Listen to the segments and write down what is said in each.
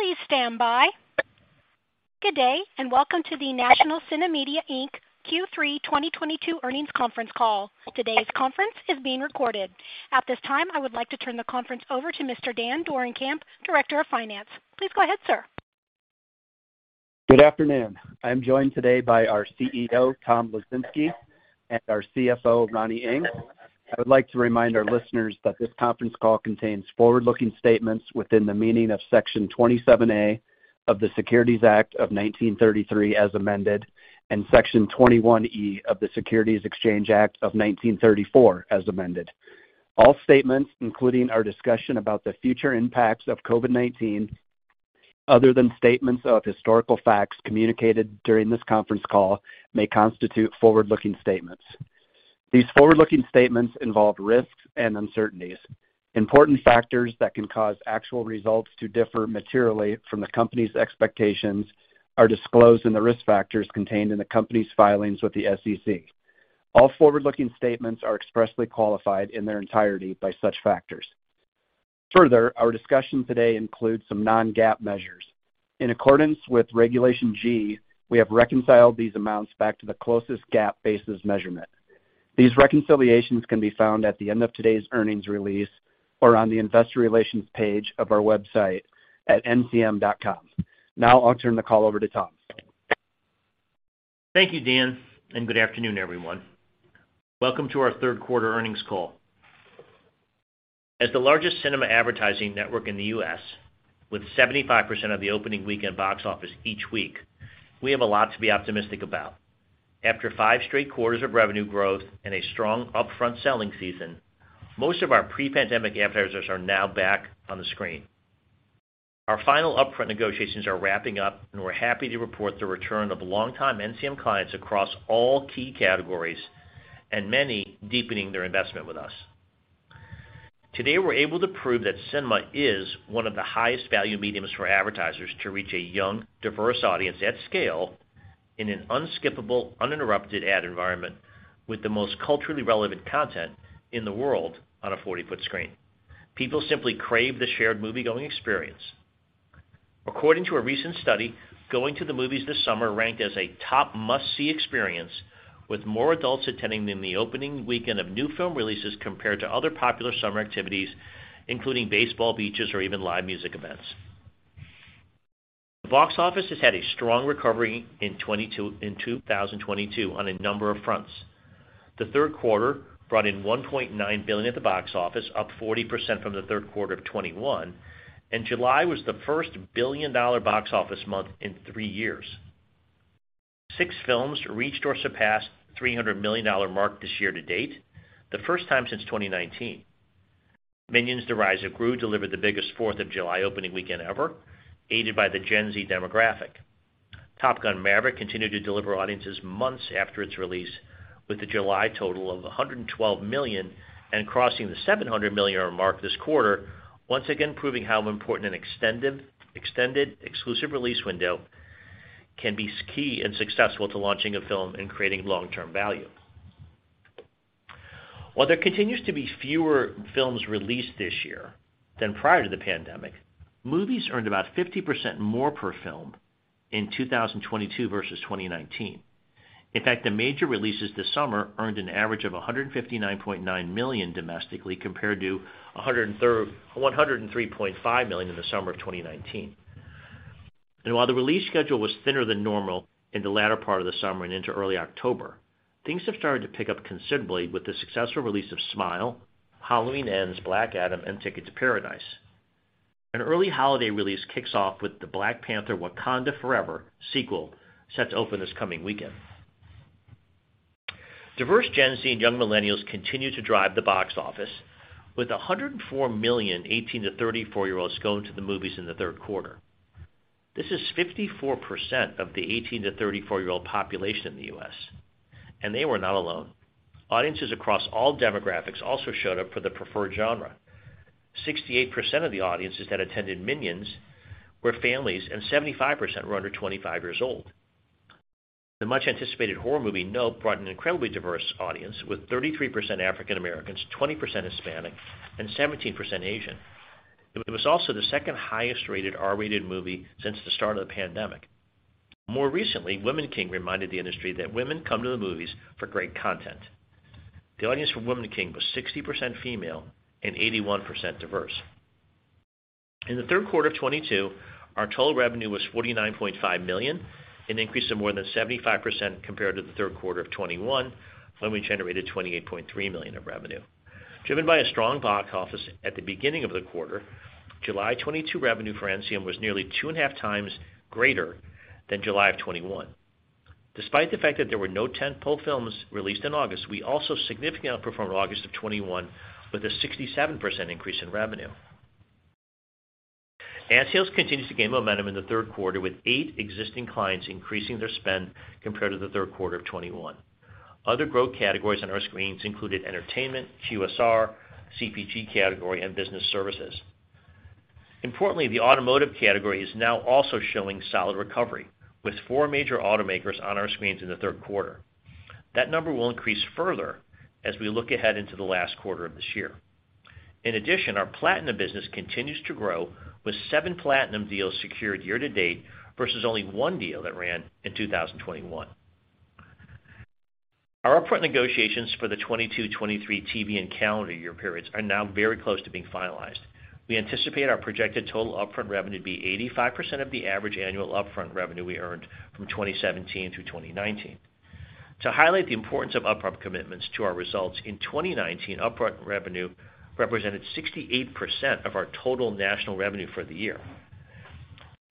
Please stand by. Good day, and welcome to the National CineMedia, Inc. Q3 2022 earnings conference call. Today's conference is being recorded. At this time, I would like to turn the conference over to Mr. Dan Dorenkamp, Director of Finance. Please go ahead, sir. Good afternoon. I'm joined today by our CEO, Tom Lesinski, and our CFO, Ronnie Ng. I would like to remind our listeners that this conference call contains forward-looking statements within the meaning of Section 27A of the Securities Act of 1933 as amended, and Section 21E of the Securities Exchange Act of 1934 as amended. All statements, including our discussion about the future impacts of COVID-19, other than statements of historical facts communicated during this conference call, may constitute forward-looking statements. These forward-looking statements involve risks and uncertainties. Important factors that can cause actual results to differ materially from the company's expectations are disclosed in the risk factors contained in the company's filings with the SEC. All forward-looking statements are expressly qualified in their entirety by such factors. Further, our discussion today includes some non-GAAP measures. In accordance with Regulation G, we have reconciled these amounts back to the closest GAAP basis measurement. These reconciliations can be found at the end of today's earnings release or on the investor relations page of our website at ncm.com. Now I'll turn the call over to Tom. Thank you, Dan, and good afternoon, everyone. Welcome to our Q3 earnings call. As the largest cinema advertising network in the U.S. with 75% of the opening weekend box office each week, we have a lot to be optimistic about. After 5 straight quarters of revenue growth and a strong upfront selling season, most of our pre-pandemic advertisers are now back on the screen. Our final upfront negotiations are wrapping up, and we're happy to report the return of longtime NCM clients across all key categories and many deepening their investment with us. Today, we're able to prove that cinema is one of the highest value mediums for advertisers to reach a young, diverse audience at scale in an unskippable, uninterrupted ad environment with the most culturally relevant content in the world on a 40-foot screen. People simply crave the shared moviegoing experience. According to a recent study, going to the movies this summer ranked as a top must-see experience, with more adults attending than the opening weekend of new film releases compared to other popular summer activities, including baseball, beaches, or even live music events. The box office has had a strong recovery in 2022 on a number of fronts. The Q3 brought in $1.9 billion at the box office, up 40% from the Q3 of 2021, and July was the first billion-dollar box office month in three years. Six films reached or surpassed $300 million mark this year to date, the first time since 2019. Minions: The Rise of Gru delivered the biggest Fourth of July opening weekend ever, aided by the Gen Z demographic. Top Gun: Maverick continued to deliver audiences months after its release, with the July total of $112 million and crossing the $700 million mark this quarter, once again proving how important an extended exclusive release window can be so key and successful to launching a film and creating long-term value. While there continues to be fewer films released this year than prior to the pandemic, movies earned about 50% more per film in 2022 versus 2019. In fact, the major releases this summer earned an average of $159.9 million domestically compared to $103.5 million in the summer of 2019. While the release schedule was thinner than normal in the latter part of the summer and into early October, things have started to pick up considerably with the successful release of Smile, Halloween Ends, Black Adam, and Ticket to Paradise. An early holiday release kicks off with the Black Panther: Wakanda Forever sequel set to open this coming weekend. Diverse Gen Z and young millennials continue to drive the box office with 104 million 18- to 34-year-olds going to the movies in the Q3. This is 54% of the 18- to 34-year-old population in the U.S., and they were not alone. Audiences across all demographics also showed up for the preferred genre. 68% of the audiences that attended Minions were families, and 75% were under 25 years old. The much anticipated horror movie Nope brought an incredibly diverse audience, with 33% African Americans, 20% Hispanic, and 17% Asian. It was also the second highest-rated R-rated movie since the start of the pandemic. More recently, The Woman King reminded the industry that women come to the movies for great content. The audience for The Woman King was 60% female and 81% diverse. In the Q3 of 2022, our total revenue was $49.5 million, an increase of more than 75% compared to the Q3 of 2021, when we generated $28.3 million of revenue. Driven by a strong box office at the beginning of the quarter, July 2022 revenue for NCM was nearly 2.5x greater than July of 2021. Despite the fact that there were no tent-pole films released in August, we also significantly outperformed August of 2021 with a 67% increase in revenue. Ad sales continues to gain momentum in the Q3, with eight existing clients increasing their spend compared to the Q3 of 2021. Other growth categories on our screens included entertainment, QSR, CPG category, and business services. Importantly, the automotive category is now also showing solid recovery, with four major automakers on our screens in the Q3. That number will increase further as we look ahead into the last quarter of this year. In addition, our Platinum business continues to grow with seven Platinum deals secured year to date, versus only one deal that ran in 2021. Our upfront negotiations for the 2022/2023 TV and calendar year periods are now very close to being finalized. We anticipate our projected total upfront revenue to be 85% of the average annual upfront revenue we earned from 2017 through 2019. To highlight the importance of upfront commitments to our results, in 2019, upfront revenue represented 68% of our total national revenue for the year.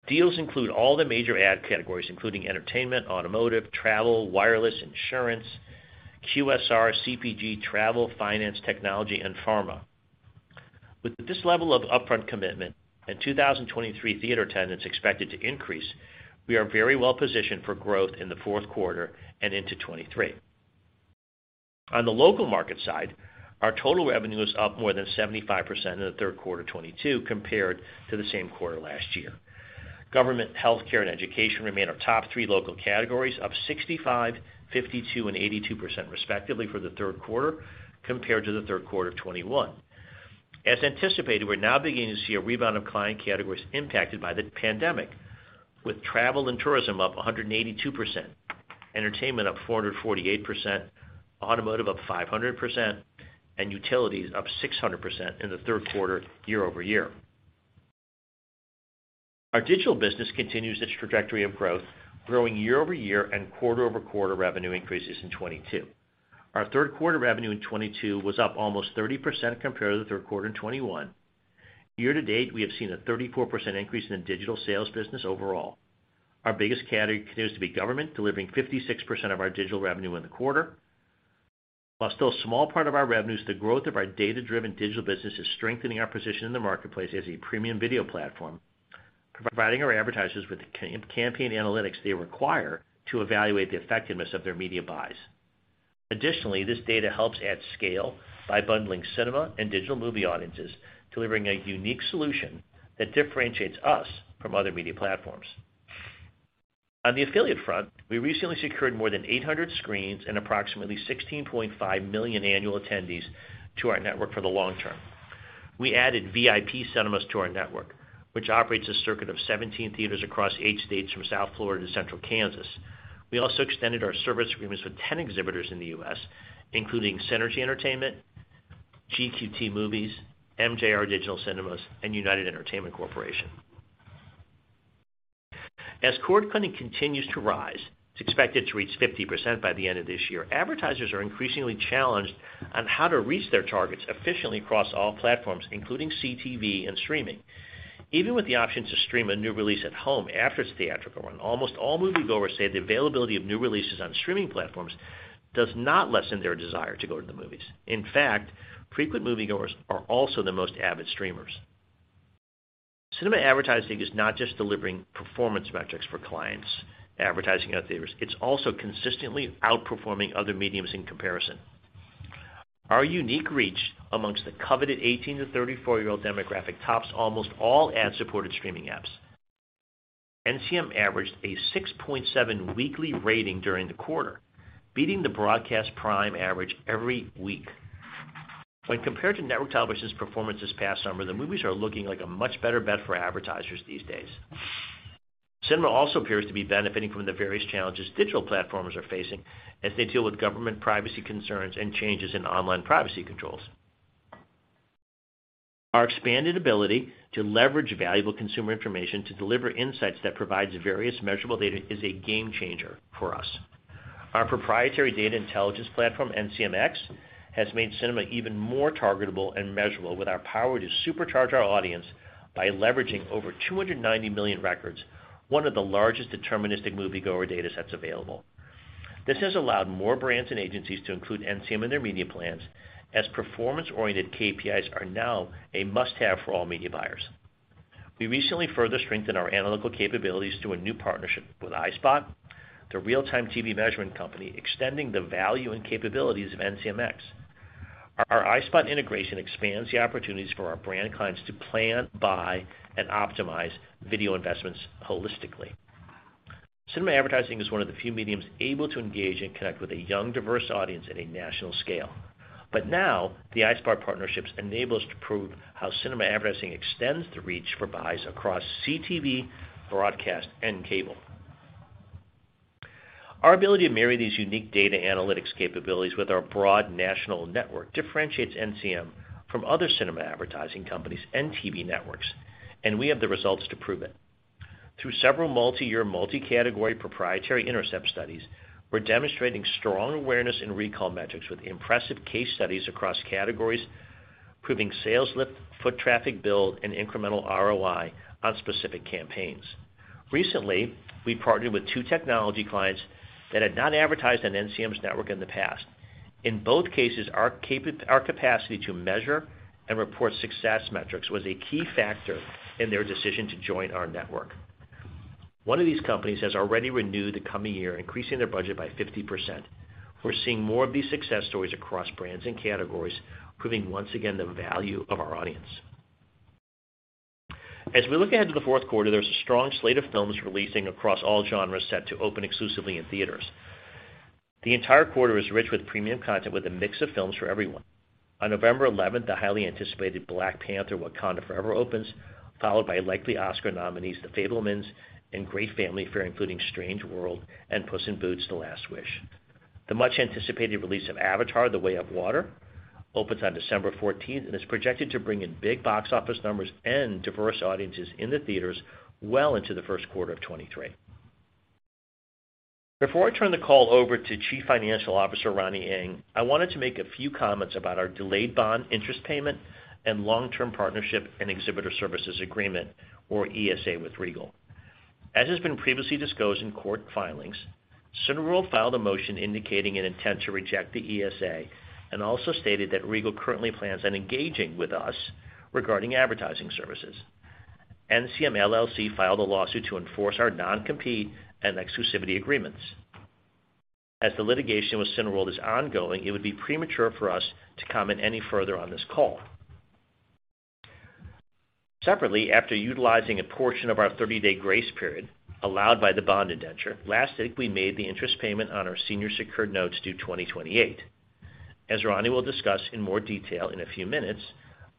Deals include all the major ad categories, including entertainment, automotive, travel, wireless, insurance, QSR, CPG, travel, finance, technology, and pharma. With this level of upfront commitment and 2023 theater attendance expected to increase, we are very well positioned for growth in the Q4 and into 2023. On the local market side, our total revenue is up more than 75% in the Q3 2022 compared to the same quarter last year. Government, healthcare, and education remain our top three local categories, up 65%, 52%, and 82% respectively for the Q3 compared to the Q3 of 2021. As anticipated, we're now beginning to see a rebound of client categories impacted by the pandemic, with travel and tourism up 182%, entertainment up 448%, automotive up 500%, and utilities up 600% in the Q3 year-over-year. Our digital business continues its trajectory of growth, growing year-over-year and quarter-over-quarter revenue increases in 2022. Our Q3 revenue in 2022 was up almost 30% compared to the Q3 in 2021. Year to date, we have seen a 34% increase in the digital sales business overall. Our biggest category continues to be government, delivering 56% of our digital revenue in the quarter. While still a small part of our revenues, the growth of our data-driven digital business is strengthening our position in the marketplace as a premium video platform, providing our advertisers with the campaign analytics they require to evaluate the effectiveness of their media buys. Additionally, this data helps add scale by bundling cinema and digital movie audiences, delivering a unique solution that differentiates us from other media platforms. On the affiliate front, we recently secured more than 800 screens and approximately 16.5 million annual attendees to our network for the long term. We added VIP Cinemas to our network, which operates a circuit of 17 theaters across eight states from South Florida to central Kansas. We also extended our service agreements with 10 exhibitors in the U.S., including Cinergy Entertainment, GQT Movies, MJR Digital Cinemas, and United Entertainment Corp. As cord cutting continues to rise, it's expected to reach 50% by the end of this year. Advertisers are increasingly challenged on how to reach their targets efficiently across all platforms, including CTV and streaming. Even with the option to stream a new release at home after its theatrical run, almost all moviegoers say the availability of new releases on streaming platforms does not lessen their desire to go to the movies. In fact, frequent moviegoers are also the most avid streamers. Cinema advertising is not just delivering performance metrics for clients advertising at theaters, it's also consistently outperforming other mediums in comparison. Our unique reach among the coveted 18-34 year-old demographic tops almost all ad-supported streaming apps. NCM averaged a 6.7 weekly rating during the quarter, beating the broadcast prime average every week. When compared to network television's performance this past summer, the movies are looking like a much better bet for advertisers these days. Cinema also appears to be benefiting from the various challenges digital platforms are facing as they deal with government privacy concerns and changes in online privacy controls. Our expanded ability to leverage valuable consumer information to deliver insights that provides various measurable data is a game changer for us. Our proprietary data intelligence platform, NCMx, has made cinema even more targetable and measurable with our power to supercharge our audience by leveraging over 290 million records, one of the largest deterministic moviegoer datasets available. This has allowed more brands and agencies to include NCM in their media plans as performance-oriented KPIs are now a must-have for all media buyers. We recently further strengthened our analytical capabilities through a new partnership with iSpot, the real-time TV measurement company, extending the value and capabilities of NCMx. Our iSpot integration expands the opportunities for our brand clients to plan, buy, and optimize video investments holistically. Cinema advertising is one of the few mediums able to engage and connect with a young, diverse audience at a national scale. Now, the iSpot partnerships enable us to prove how cinema advertising extends the reach for buys across CTV, broadcast, and cable. Our ability to marry these unique data analytics capabilities with our broad national network differentiates NCM from other cinema advertising companies and TV networks, and we have the results to prove it. Through several multi-year, multi-category proprietary intercept studies, we're demonstrating strong awareness in recall metrics with impressive case studies across categories, proving sales lift, foot traffic build, and incremental ROI on specific campaigns. Recently, we partnered with two technology clients that had not advertised on NCM's network in the past. In both cases, our capacity to measure and report success metrics was a key factor in their decision to join our network. One of these companies has already renewed the coming year, increasing their budget by 50%. We're seeing more of these success stories across brands and categories, proving once again the value of our audience. As we look ahead to the Q4, there's a strong slate of films releasing across all genres set to open exclusively in theaters. The entire quarter is rich with premium content with a mix of films for everyone. On November 11, the highly anticipated Black Panther: Wakanda Forever opens, followed by likely Oscar nominees, The Fabelmans, and great family fare, including Strange World and Puss in Boots: The Last Wish. The much-anticipated release of Avatar: The Way of Water opens on December 14, and is projected to bring in big box office numbers and diverse audiences in the theaters well into the Q1 of 2023. Before I turn the call over to Chief Financial Officer, Ronnie Ng, I wanted to make a few comments about our delayed bond interest payment and long-term partnership and exhibitor services agreement, or ESA with Regal. As has been previously disclosed in court filings, Cineworld filed a motion indicating an intent to reject the ESA, and also stated that Regal currently plans on engaging with us regarding advertising services. NCM LLC filed a lawsuit to enforce our non-compete and exclusivity agreements. As the litigation with Cineworld is ongoing, it would be premature for us to comment any further on this call. Separately, after utilizing a portion of our 30-day grace period allowed by the bond indenture, last week, we made the interest payment on our senior secured notes due 2028. As Ronnie will discuss in more detail in a few minutes,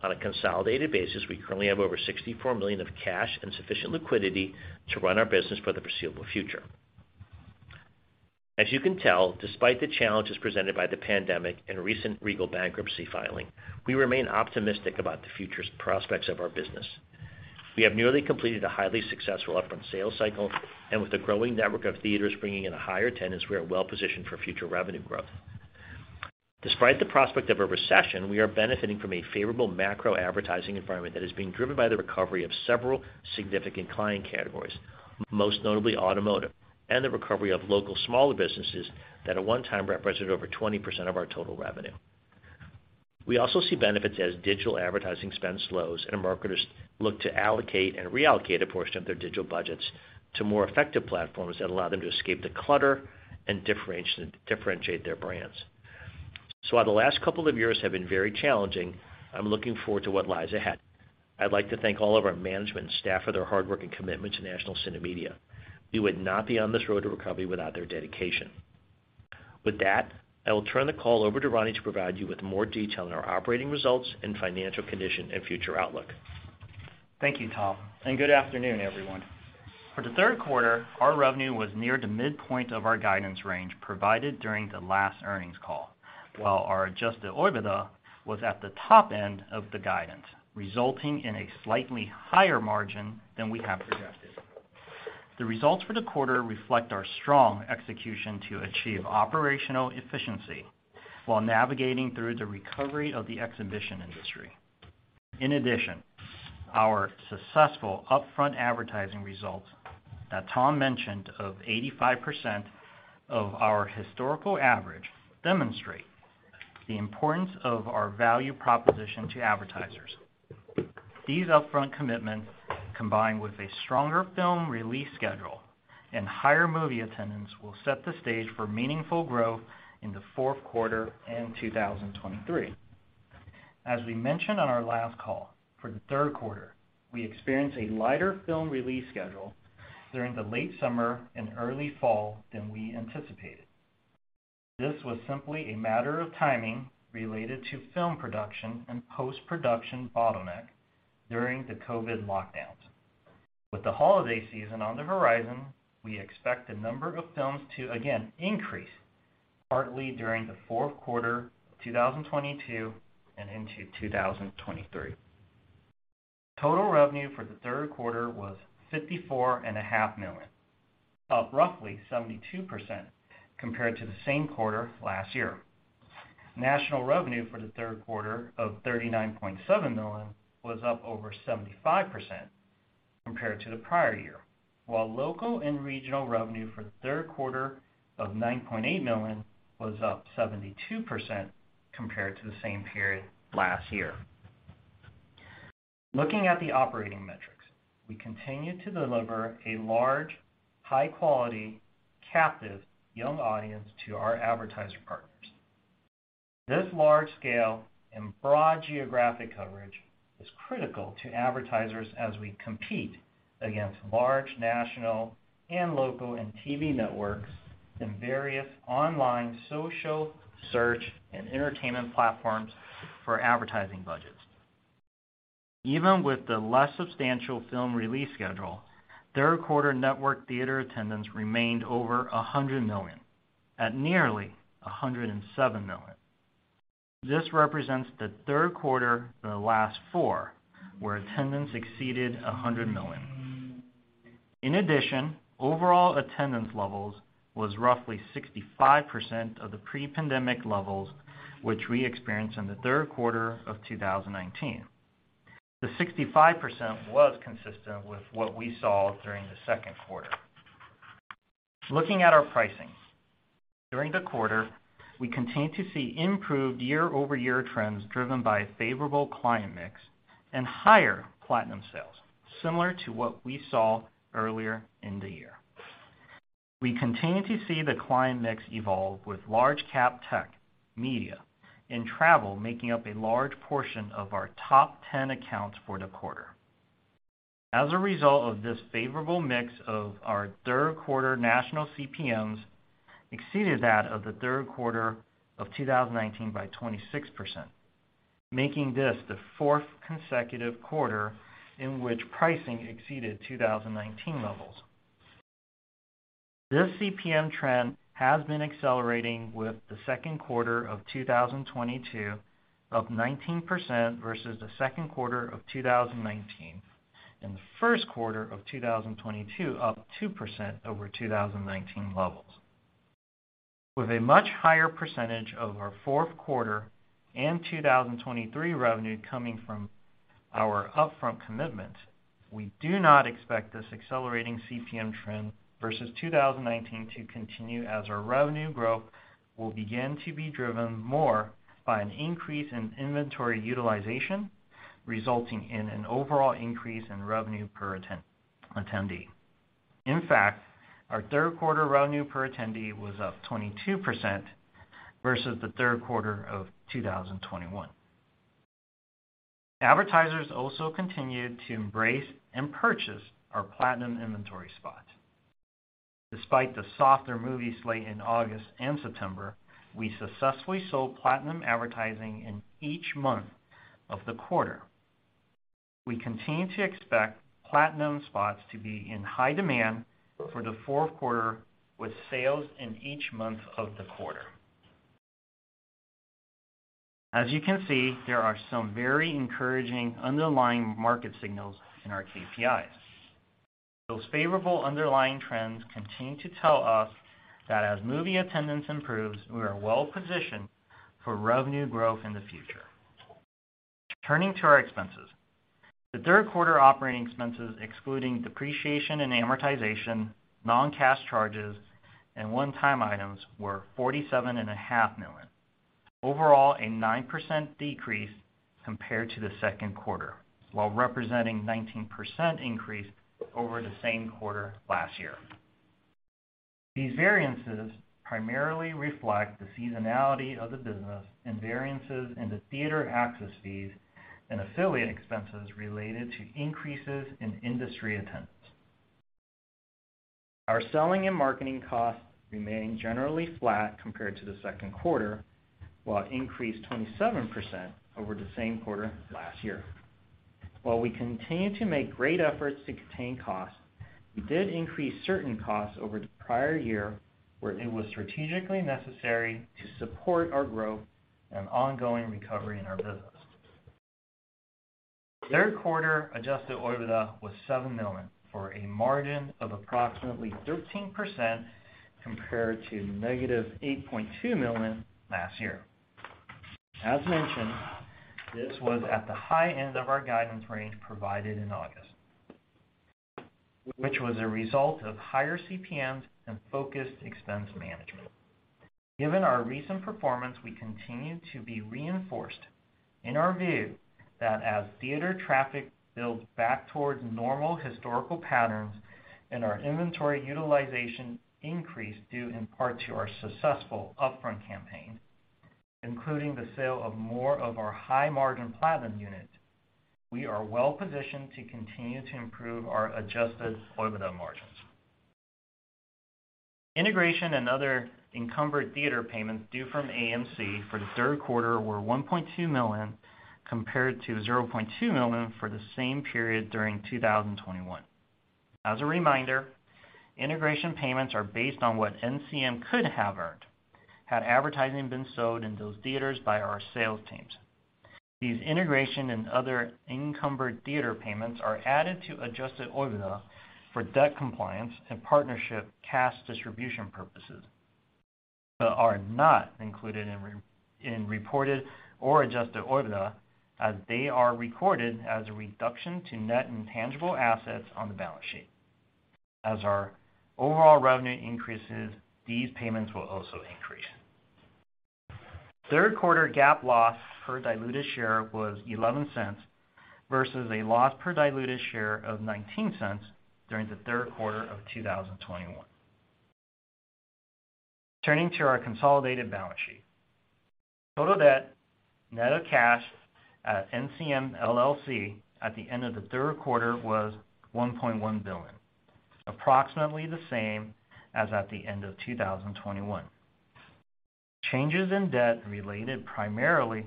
on a consolidated basis, we currently have over $64 million of cash and sufficient liquidity to run our business for the foreseeable future. As you can tell, despite the challenges presented by the pandemic and recent Regal bankruptcy filing, we remain optimistic about the future prospects of our business. We have nearly completed a highly successful upfront sales cycle, and with the growing network of theaters bringing in a higher attendance, we are well-positioned for future revenue growth. Despite the prospect of a recession, we are benefiting from a favorable macro advertising environment that is being driven by the recovery of several significant client categories, most notably automotive, and the recovery of local smaller businesses that at one time represented over 20% of our total revenue. We also see benefits as digital advertising spend slows and our marketers look to allocate and reallocate a portion of their digital budgets to more effective platforms that allow them to escape the clutter and differentiate their brands. While the last couple of years have been very challenging, I'm looking forward to what lies ahead. I'd like to thank all of our management and staff for their hard work and commitment to National CineMedia. We would not be on this road to recovery without their dedication. With that, I will turn the call over to Ronnie to provide you with more detail on our operating results and financial condition and future outlook. Thank you, Tom, and good afternoon, everyone. For the Q3, our revenue was near the midpoint of our guidance range provided during the last earnings call, while our Adjusted OIBDA was at the top end of the guidance, resulting in a slightly higher margin than we have projected. The results for the quarter reflect our strong execution to achieve operational efficiency while navigating through the recovery of the exhibition industry. In addition, our successful upfront advertising results that Tom mentioned of 85% of our historical average demonstrate the importance of our value proposition to advertisers. These upfront commitments, combined with a stronger film release schedule and higher movie attendance, will set the stage for meaningful growth in the Q4 and 2023. As we mentioned on our last call, for the Q3, we experienced a lighter film release schedule during the late summer and early fall than we anticipated. This was simply a matter of timing related to film production and post-production bottleneck during the COVID lockdowns. With the holiday season on the horizon, we expect the number of films to again increase, partly during the Q4 2022 and into 2023. Total revenue for the Q3 was $54 and a half million, up roughly 72% compared to the same quarter last year. National revenue for the Q3 of $39.7 million was up over 75% compared to the prior year, while local and regional revenue for the Q3 of $9.8 million was up 72% compared to the same period last year. Looking at the operating metrics, we continue to deliver a large, high quality, captive young audience to our advertiser partners. This large scale and broad geographic coverage is critical to advertisers as we compete against large, national and local and TV networks in various online social, search, and entertainment platforms for advertising budgets. Even with the less substantial film release schedule, Q3 network theater attendance remained over 100 million at nearly 107 million. This represents the Q3 in the last four where attendance exceeded 100 million. In addition, overall attendance levels was roughly 65% of the pre-pandemic levels, which we experienced in the Q3 of 2019. The 65% was consistent with what we saw during the Q2. Looking at our pricing, during the quarter, we continued to see improved year-over-year trends driven by a favorable client mix and higher Platinum sales, similar to what we saw earlier in the year. We continue to see the client mix evolve with large-cap tech, media, and travel making up a large portion of our top 10 accounts for the quarter. As a result of this favorable mix, our Q3 national CPMs exceeded that of the Q3 of 2019 by 26%, making this the fourth consecutive quarter in which pricing exceeded 2019 levels. This CPM trend has been accelerating with the Q2 of 2022 up 19% versus the Q2 of 2019, and the Q1 of 2022 up 2% over 2019 levels. With a much higher percentage of our Q4 and 2023 revenue coming from our upfront commitment, we do not expect this accelerating CPM trend versus 2019 to continue as our revenue growth will begin to be driven more by an increase in inventory utilization, resulting in an overall increase in revenue per attendee. In fact, our Q3 revenue per attendee was up 22% versus the Q3 of 2021. Advertisers also continued to embrace and purchase our Platinum inventory spots. Despite the softer movie slate in August and September, we successfully sold Platinum advertising in each month of the quarter. We continue to expect Platinum spots to be in high demand for the Q4 with sales in each month of the quarter. As you can see, there are some very encouraging underlying market signals in our KPIs. Those favorable underlying trends continue to tell us that as movie attendance improves, we are well positioned for revenue growth in the future. Turning to our expenses. The Q3 operating expenses excluding depreciation and amortization, non-cash charges, and one-time items were $47.5 million. Overall, a 9% decrease compared to the Q2, while representing 19% increase over the same quarter last year. These variances primarily reflect the seasonality of the business and variances in the theater access fees and affiliate expenses related to increases in industry attendance. Our selling and marketing costs remaining generally flat compared to the Q2, while it increased 27% over the same quarter last year. While we continue to make great efforts to contain costs, we did increase certain costs over the prior year where it was strategically necessary to support our growth and ongoing recovery in our business. Q3 Adjusted OIBDA was $7 million, for a margin of approximately 13% compared to -$8.2 million last year. As mentioned, this was at the high end of our guidance range provided in August, which was a result of higher CPMs and focused expense management. Given our recent performance, we continue to be reinforced in our view that as theater traffic builds back towards normal historical patterns and our inventory utilization increase due in part to our successful upfront campaign, including the sale of more of our high-margin Platinum units, we are well-positioned to continue to improve our Adjusted OIBDA margins. Integration and other encumbered theater payments due from AMC for the Q3 were $1.2 million, compared to $0.2 million for the same period during 2021. As a reminder, integration payments are based on what NCM could have earned had advertising been sold in those theaters by our sales teams. These integration and other encumbered theater payments are added to adjusted OIBDA for debt compliance and partnership cash distribution purposes, but are not included in GAAP reported or adjusted OIBDA, as they are recorded as a reduction to net intangible assets on the balance sheet. As our overall revenue increases, these payments will also increase. Q3 GAAP loss per diluted share was $0.11 versus a loss per diluted share of $0.19 during the Q3 of 2021. Turning to our consolidated balance sheet. Total debt net of cash at NCM LLC at the end of the Q3 was $1.1 billion, approximately the same as at the end of 2021. Changes in debt related primarily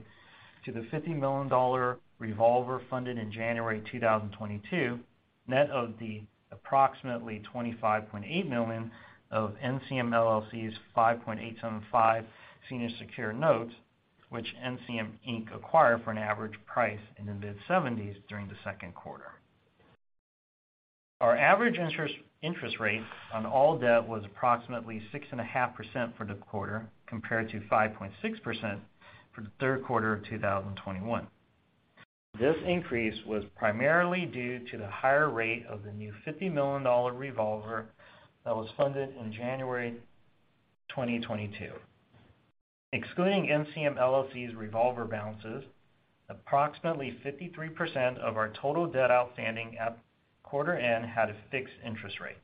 to the $50 million revolver funded in January 2022, net of the approximately $25.8 million of NCM LLC's 5.875% senior secured notes, which NCM Inc. acquired for an average price in the mid-seventies during the Q2. Our average interest rate on all debt was approximately 6.5% for the quarter, compared to 5.6% for the Q3 of 2021. This increase was primarily due to the higher rate of the new $50 million revolver that was funded in January 2022. Excluding NCM LLC's revolver balances, approximately 53% of our total debt outstanding at quarter end had a fixed interest rate.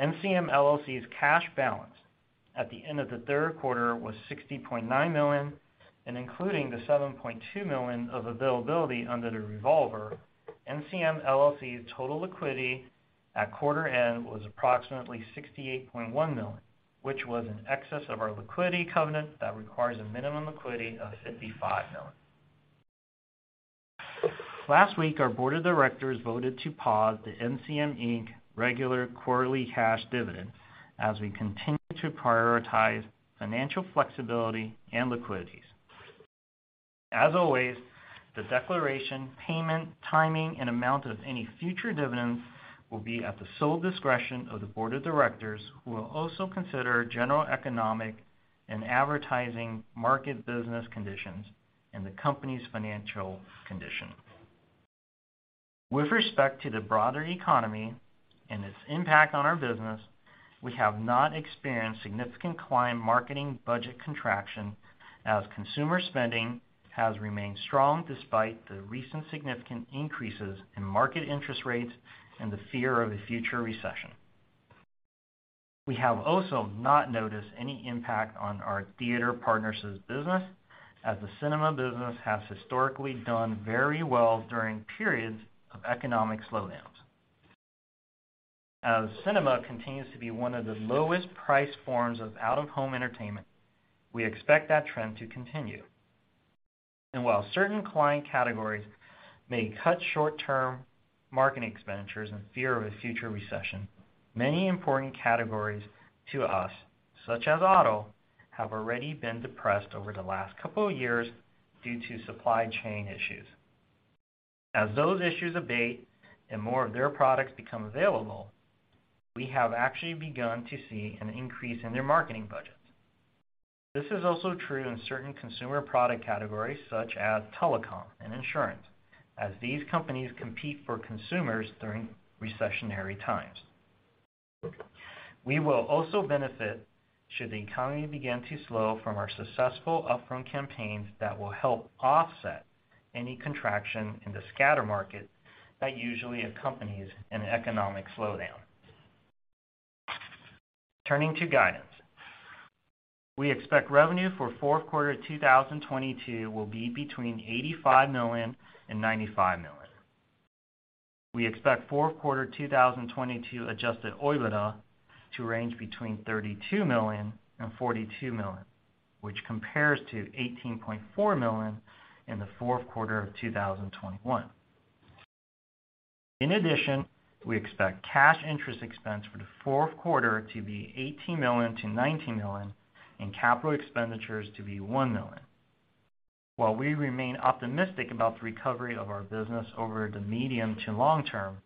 NCM LLC's cash balance at the end of the Q3 was $60.9 million, and including the $7.2 million of availability under the revolver, NCM LLC's total liquidity at quarter end was approximately $68.1 million, which was in excess of our liquidity covenant that requires a minimum liquidity of $55 million. Last week, our board of directors voted to pause the NCM Inc. regular quarterly cash dividend as we continue to prioritize financial flexibility and liquidity. As always, the declaration, payment, timing, and amount of any future dividends will be at the sole discretion of the board of directors, who will also consider general economic and advertising market business conditions and the company's financial condition. With respect to the broader economy and its impact on our business, we have not experienced significant client marketing budget contraction, as consumer spending has remained strong despite the recent significant increases in market interest rates and the fear of a future recession. We have also not noticed any impact on our theater partners' business, as the cinema business has historically done very well during periods of economic slowdowns. As cinema continues to be one of the lowest priced forms of out-of-home entertainment, we expect that trend to continue. While certain client categories may cut short-term marketing expenditures in fear of a future recession, many important categories to us, such as auto, have already been depressed over the last couple of years due to supply chain issues. As those issues abate and more of their products become available, we have actually begun to see an increase in their marketing budgets. This is also true in certain consumer product categories such as telecom and insurance, as these companies compete for consumers during recessionary times. We will also benefit should the economy begin to slow from our successful upfront campaigns that will help offset any contraction in the scatter market that usually accompanies an economic slowdown. Turning to guidance. We expect revenue for Q4 2022 will be between $85 million and $95 million. We expect Q4 2022 adjusted OIBDA to range between $32 million and $42 million, which compares to $18.4 million in the Q4 of 2021. In addition, we expect cash interest expense for the Q4 to be $18 million-$19 million, and capital expenditures to be $1 million. While we remain optimistic about the recovery of our business over the medium to long term,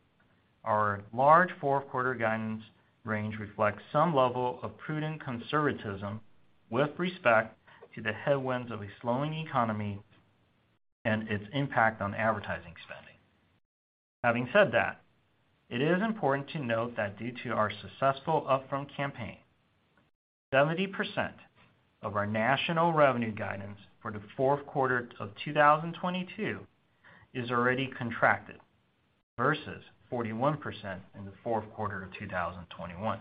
our large Q4 guidance range reflects some level of prudent conservatism with respect to the headwinds of a slowing economy and its impact on advertising spending. Having said that, it is important to note that due to our successful upfront campaign, 70% of our national revenue guidance for the Q4 of 2022 is already contracted versus 41% in the Q4 of 2021.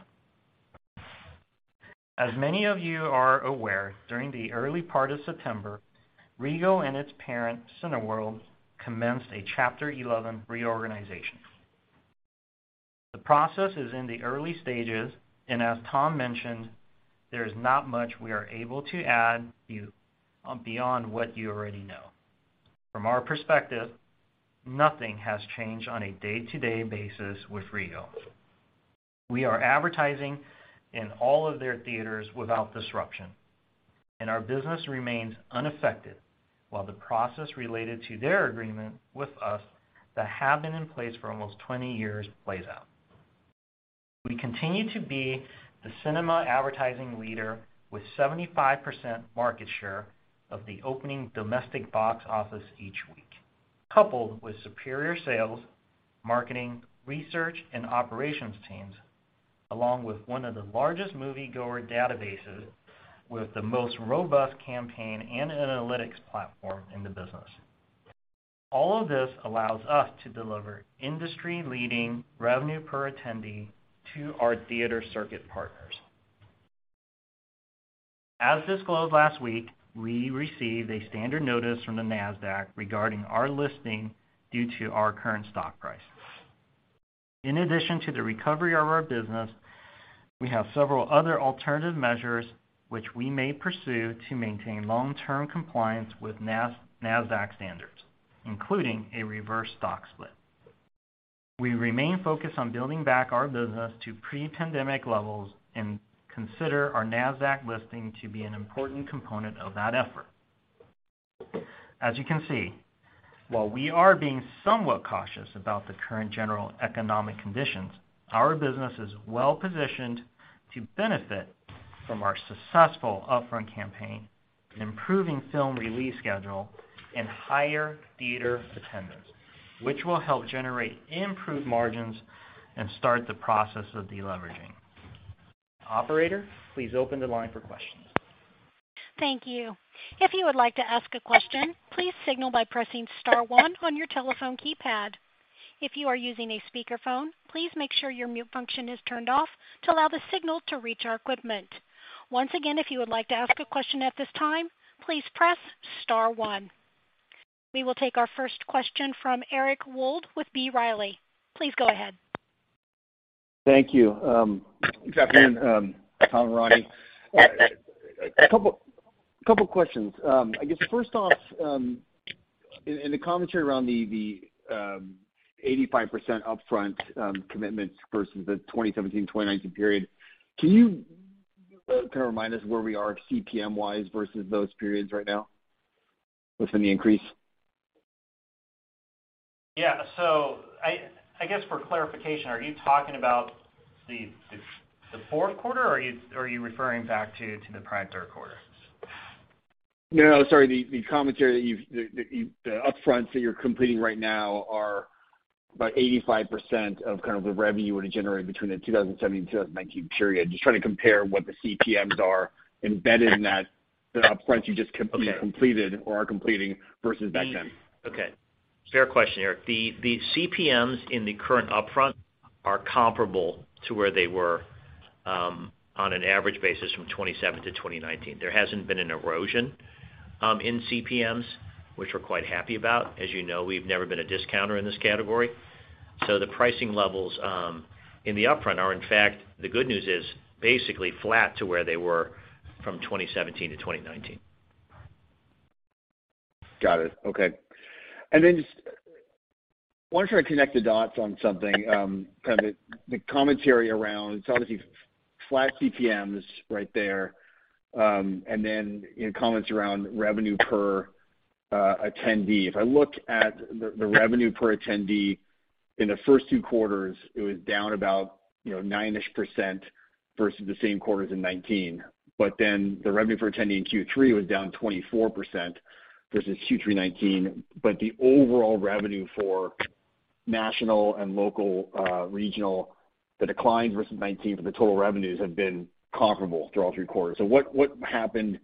As many of you are aware, during the early part of September, Regal and its parent, Cineworld, commenced a Chapter 11 reorganization. The process is in the early stages, and as Tom mentioned, there is not much we are able to add beyond what you already know. From our perspective, nothing has changed on a day-to-day basis with Regal. We are advertising in all of their theaters without disruption, and our business remains unaffected while the process related to their agreement with us that have been in place for almost 20 years plays out. We continue to be the cinema advertising leader with 75% market share of the opening domestic box office each week. Coupled with superior sales, marketing, research, and operations teams, along with one of the largest moviegoer databases with the most robust campaign and analytics platform in the business. All of this allows us to deliver industry-leading revenue per attendee to our theater circuit partners. As disclosed last week, we received a standard notice from the Nasdaq regarding our listing due to our current stock price. In addition to the recovery of our business, we have several other alternative measures which we may pursue to maintain long-term compliance with Nasdaq standards, including a reverse stock split. We remain focused on building back our business to pre-pandemic levels and consider our Nasdaq listing to be an important component of that effort. As you can see, while we are being somewhat cautious about the current general economic conditions, our business is well-positioned to benefit from our successful upfront campaign. Improving film release schedule and higher theater attendance, which will help generate improved margins and start the process of deleveraging. Operator, please open the line for questions. Thank you. If you would like to ask a question, please signal by pressing star one on your telephone keypad. If you are using a speakerphone, please make sure your mute function is turned off to allow the signal to reach our equipment. Once again, if you would like to ask a question at this time, please press star one. We will take our first question from Eric Wold with B. Riley. Please go ahead. Thank you. Good afternoon, Tom and Ronnie. A couple questions. I guess first off, in the commentary around the 85% upfront commitments versus the 2017, 2019 period, can you kind of remind us where we are CPM wise versus those periods right now within the increase? Yeah. I guess for clarification, are you talking about the Q4, or are you referring back to the prior Q3? No, sorry. The upfronts that you're completing right now are about 85% of kind of the revenue it'll generate between the 2017-2019 period. Just trying to compare what the CPMs are embedded in that, the upfronts you just completed or are completing versus back then. Okay. Fair question, Eric. The CPMs in the current upfront are comparable to where they were on an average basis from 2017 to 2019. There hasn't been an erosion in CPMs, which we're quite happy about. As you know, we've never been a discounter in this category. The pricing levels in the upfront are, in fact, the good news is basically flat to where they were from 2017 to 2019. Got it. Okay. Just want to try to connect the dots on something, kind of the commentary around. It's obviously flat CPMs right there. Comments around revenue per attendee. If I look at the revenue per attendee in the first two quarters, it was down about, you know, 9%-ish versus the same quarters in 2019. The revenue per attendee in Q3 was down 24% versus Q3 2019. The overall revenue for national and local, regional, the declines versus 2019 for the total revenues have been comparable through all 3 quarters. What happened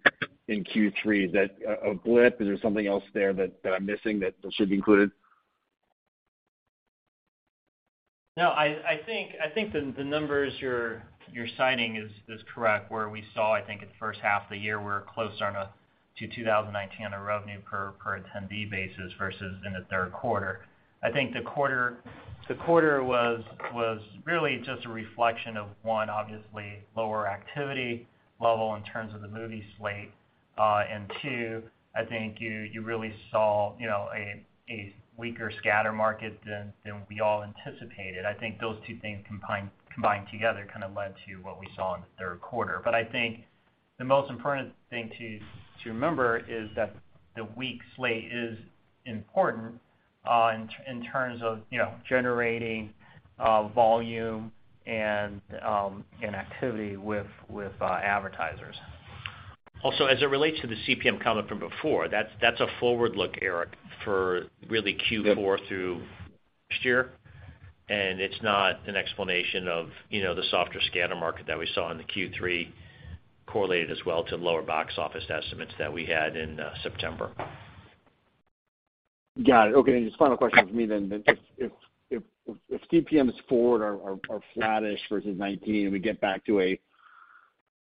in Q3? Is that a blip? Is there something else there that I'm missing that should be included? No, I think the numbers you're citing is correct, where we saw, I think, in the H1 of the year, we're closer on a to 2019 on a revenue per attendee basis versus in the Q3. I think the quarter was really just a reflection of, one, obviously lower activity level in terms of the movie slate. And two, I think you really saw, you know, a weaker scatter market than we all anticipated. I think those two things combined together kind of led to what we saw in the Q3. I think the most important thing to remember is that the weak slate is important in terms of, you know, generating volume and activity with advertisers. Also, as it relates to the CPM comment from before, that's a forward look, Eric, for really Q4 through next year. It's not an explanation of, you know, the softer scatter market that we saw in the Q3 correlated as well to lower box office estimates that we had in September. Got it. Okay, just final question for me then. If CPMs forward are flattish versus 2019 and we get back to a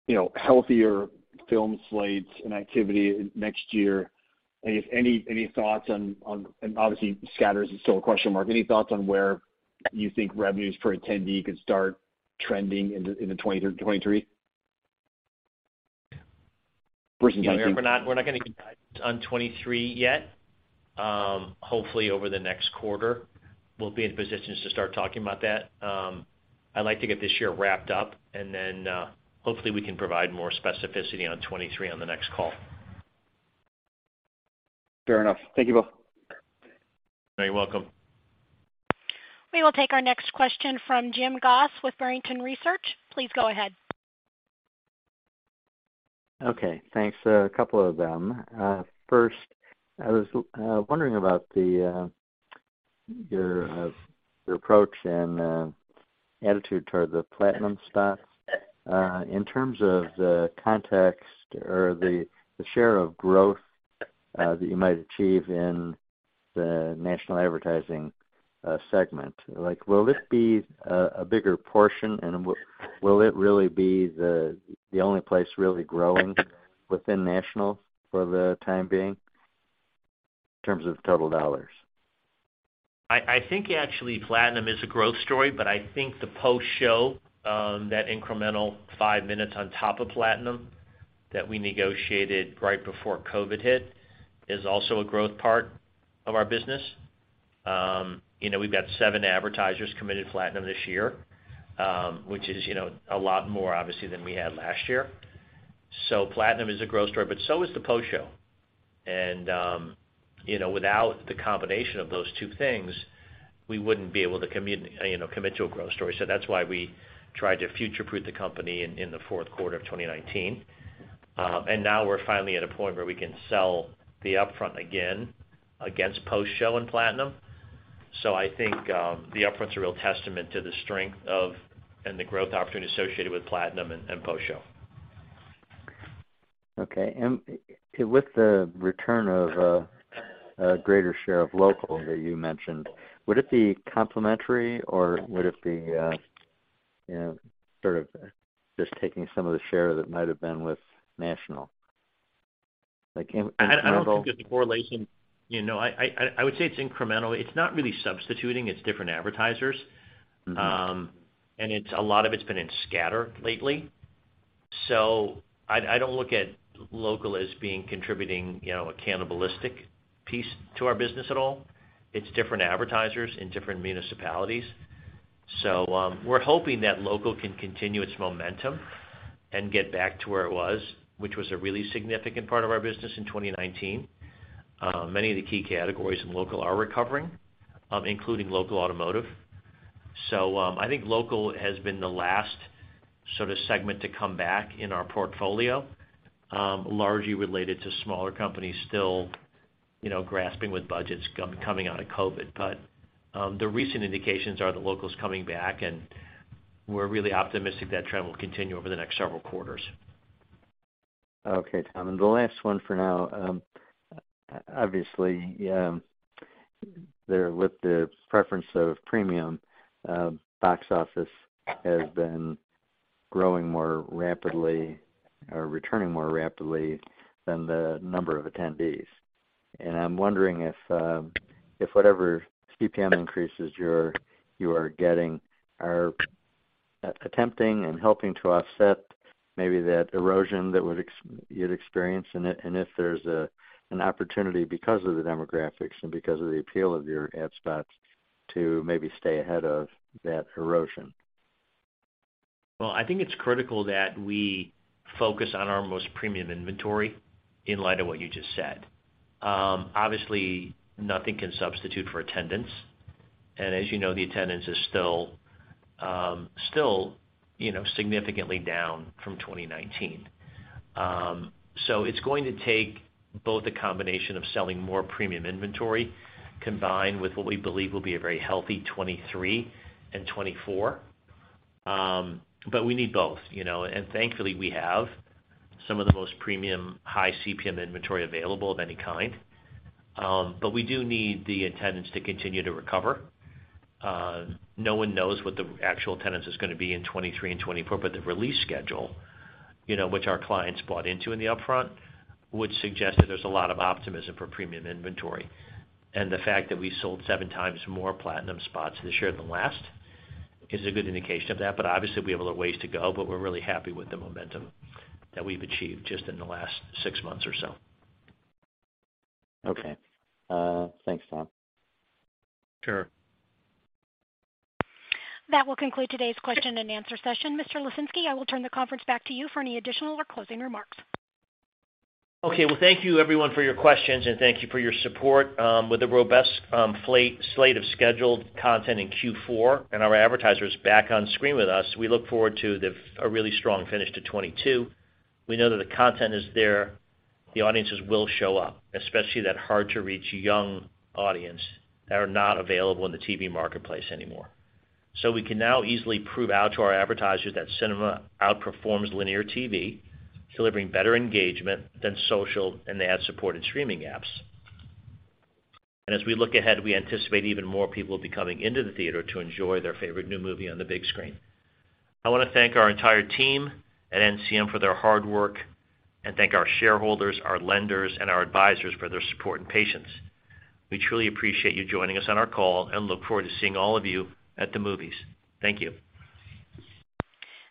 you know healthier film slates and activity next year, any thoughts on. Obviously scatter is still a question mark. Any thoughts on where you think revenues per attendee could start trending into 2023 versus 2019? We're not going to give guidance on 2023 yet. Hopefully over the next quarter we'll be in positions to start talking about that. I'd like to get this year wrapped up and then hopefully we can provide more specificity on 2023 on the next call. Fair enough. Thank you both. You're welcome. We will take our next question from Jim Goss with Barrington Research. Please go ahead. Okay, thanks. A couple of them. First, I was wondering about your approach and attitude toward the Platinum spots in terms of the context or the share of growth that you might achieve in the national advertising segment. Like, will this be a bigger portion, and will it really be the only place really growing within national for the time being in terms of total dollars? I think actually Platinum is a growth story, but I think the post-show, that incremental five minutes on top of Platinum that we negotiated right before COVID hit is also a growth part of our business. You know, we've got seven advertisers committed Platinum this year, which is, you know, a lot more obviously than we had last year. Platinum is a growth story, but so is the post-show. You know, without the combination of those two things, we wouldn't be able to commit to a growth story. That's why we tried to future-proof the company in the Q4 of 2019. Now we're finally at a point where we can sell the upfront again against post-show and Platinum. I think the upfront's a real testament to the strength of and the growth opportunity associated with Platinum and post-show. Okay. With the return of a greater share of local that you mentioned, would it be complementary or would it be, you know, sort of just taking some of the share that might have been with national? I don't think there's a correlation. You know, I would say it's incremental. It's not really substituting, it's different advertisers. Mm-hmm. It's a lot of it's been in scatter lately. I don't look at local as being contributing, you know, a cannibalistic piece to our business at all. It's different advertisers in different municipalities. We're hoping that local can continue its momentum and get back to where it was, which was a really significant part of our business in 2019. Many of the key categories in local are recovering, including local automotive. I think local has been the last sort of segment to come back in our portfolio, largely related to smaller companies still, you know, grappling with budgets coming out of COVID. The recent indications are the local's coming back, and we're really optimistic that trend will continue over the next several quarters. Okay, Tom. The last one for now. Obviously, there with the preference of premium box office has been growing more rapidly or returning more rapidly than the number of attendees. I'm wondering if whatever CPM increases you are getting are attempting and helping to offset maybe that erosion that you'd experienced, and if there's an opportunity because of the demographics and because of the appeal of your ad spots to maybe stay ahead of that erosion. Well, I think it's critical that we focus on our most premium inventory in light of what you just said. Obviously, nothing can substitute for attendance. As you know, the attendance is still, you know, significantly down from 2019. It's going to take both a combination of selling more premium inventory combined with what we believe will be a very healthy 2023 and 2024. We need both, you know. Thankfully, we have some of the most premium high CPM inventory available of any kind. We do need the attendance to continue to recover. No one knows what the actual attendance is gonna be in 2023 and 2024, but the release schedule, you know, which our clients bought into in the upfront, would suggest that there's a lot of optimism for premium inventory. The fact that we sold 7x more Platinum spots this year than last is a good indication of that. Obviously, we have a little ways to go, but we're really happy with the momentum that we've achieved just in the last six months or so. Okay. Thanks, Tom. Sure. That will conclude today's question and answer session. Mr. Lesinski, I will turn the conference back to you for any additional or closing remarks. Okay. Well, thank you everyone for your questions, and thank you for your support. With a robust slate of scheduled content in Q4 and our advertisers back on screen with us, we look forward to a really strong finish to 2022. We know that the content is there, the audiences will show up, especially that hard-to-reach young audience that are not available in the TV marketplace anymore. We can now easily prove out to our advertisers that cinema outperforms linear TV, delivering better engagement than social and ad-supported streaming apps. As we look ahead, we anticipate even more people will be coming into the theater to enjoy their favorite new movie on the big screen. I wanna thank our entire team at NCM for their hard work, and thank our shareholders, our lenders, and our advisors for their support and patience. We truly appreciate you joining us on our call, and look forward to seeing all of you at the movies. Thank you.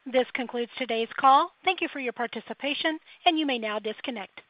This concludes today's call. Thank you for your participation, and you may now disconnect.